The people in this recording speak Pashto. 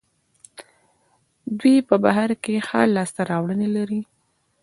دوی په بهر کې ښې لاسته راوړنې لري.